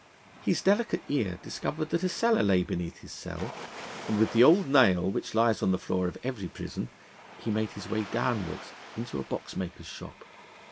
His delicate ear discovered that a cellar lay beneath his cell; and with the old nail which lies on the floor of every prison he made his way downwards into a boxmaker's shop.